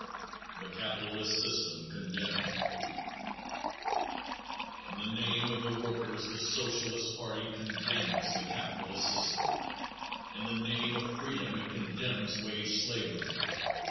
The Capitalist System Condemned. In the name of the workers the Socialist party condemns the capitalist system. In the name of freedom it condemns wage slavery.